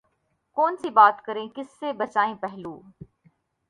کون سی بات کریں کس سے بچائیں پہلو